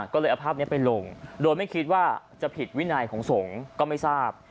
ก็เลยเอาภาพนี้ไปลงโดยไม่คิดว่าจะผิดวินัยของสงฆ์ก็ไม่ทราบ